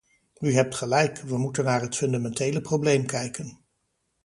U hebt gelijk, we moeten naar het fundamentele probleem kijken.